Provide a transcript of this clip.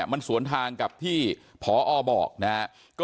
เชิงชู้สาวกับผอโรงเรียนคนนี้